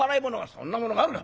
「そんなものがあるか。